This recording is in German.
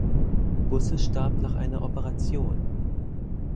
Busse starb nach einer Operation.